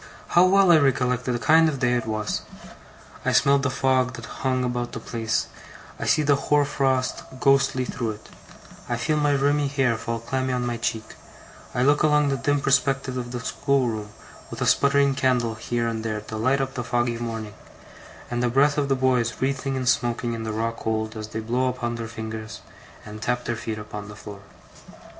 How well I recollect the kind of day it was! I smell the fog that hung about the place; I see the hoar frost, ghostly, through it; I feel my rimy hair fall clammy on my cheek; I look along the dim perspective of the schoolroom, with a sputtering candle here and there to light up the foggy morning, and the breath of the boys wreathing and smoking in the raw cold as they blow upon their fingers, and tap their feet upon the floor.